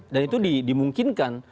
dan itu dimungkinkan